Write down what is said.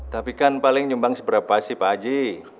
tapi kan paling nyumbang seberapa sih pak haji